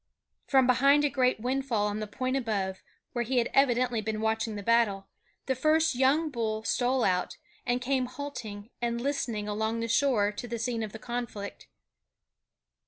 From behind a great windfall on the point above, where he had evidently been watching the battle, the first young bull stole out, and came halting and listening along the shore to the scene of the conflict.